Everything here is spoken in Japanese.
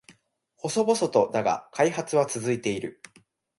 細々とだが開発は続いている